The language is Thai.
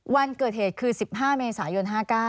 วันเกิดเหตุคือ๑๕เมษายน๕๙